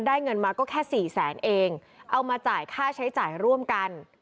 ได้เงินมาก็แค่๔แสนเองเอามาจ่ายค่าใช้ร่วมกัน